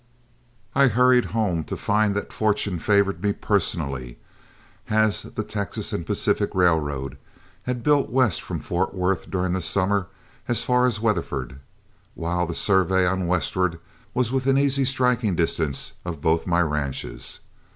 I hurried home to find that fortune favored me personally, as the Texas and Pacific Railway had built west from Fort Worth during the summer as far as Weatherford, while the survey on westward was within easy striking distance of both my ranches.